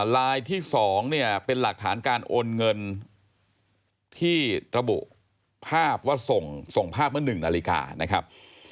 ลายที่๒เนี่ยเป็นหลักฐานการโอนเงินที่ระบุภาพว่าส่งภาพเมื่อ๑นาฬิกานะครับ